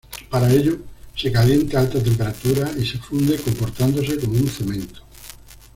Para ello, se calienta a alta temperatura y se funde comportándose como un cemento.